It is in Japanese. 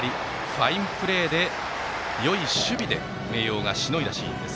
ファインプレーでよい守備で明桜がしのいだシーンです。